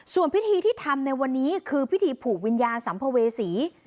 ส่วนพิธีที่ทำในวันนี้คือพิธีผูกวิญญาณสัมภเวษี